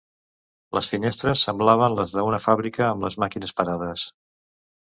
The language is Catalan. Les finestres semblaven les d'una fàbrica amb les màquines parades.